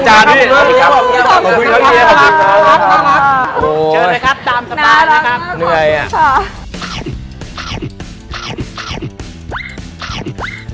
เชิญนะครับตามสบายนะครับ